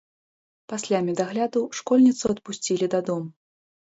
Пасля медагляду школьніцу адпусцілі дадому.